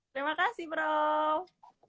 terima kasih prof